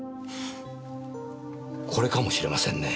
これかもしれませんね